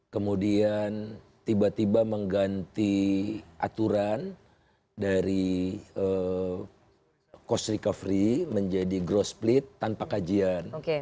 kemudian tiba tiba mengganti aturan dari cost recovery menjadi growth split tanpa kajian